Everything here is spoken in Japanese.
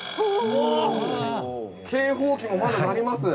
警報器もまだ鳴ります。